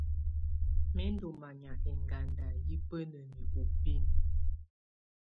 Mɛ̀ ndù manya ɛŋganda yɛ̀ bǝnǝni ù binǝ.